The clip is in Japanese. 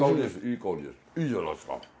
いいじゃないですか。